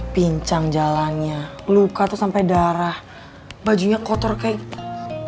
pincang jalannya luka atau sampai darah bajunya kotor kayak gitu